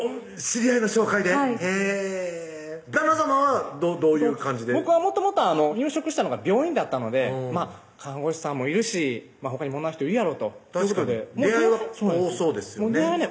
知り合いの紹介でへぇ旦那さまはどういう感じで僕はもともと入職したのが病院だったので看護師さんもいるしほかにも女の人いるやろと確かに出会いは多そうですよね